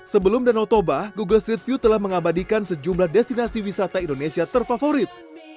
sebelum danau toba google street view telah mengabadikan sejumlah destinasi wisata indonesia terfavorit